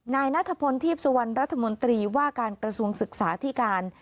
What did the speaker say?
นายนัทพลทีพสุวรรณรัฐมนตรีว่าการกระทรวงศึกษาที่การ